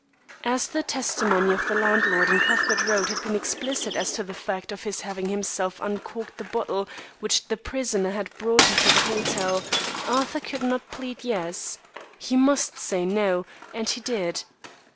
As the testimony of the landlord in Cuthbert Road had been explicit as to the fact of his having himself uncorked the bottle which the prisoner had brought into the hotel, Arthur could not plead yes. He must say no, and he did.